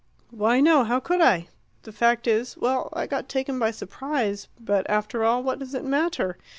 "Why, no; how could I? The fact is well, I got taken by surprise, but after all, what does it matter?